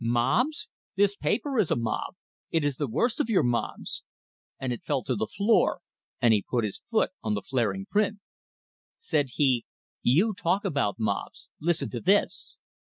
"Mobs? This paper is a mob! It is the worst of your mobs!" And it fell to the floor, and he put his foot on the flaring print. Said he: "You talk about mobs listen to this."